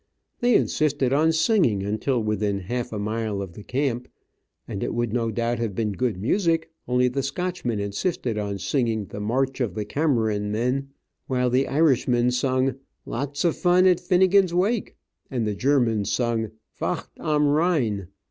They insisted on singing until within half a mile of camp, and it would no doubt have been good music, only the Scotchman insisted on singing "The March of the Cameron Men," while the Irishmen sung "Lots of fun at Finnegan's Wake," and the German's sung "Wacht am Rhine."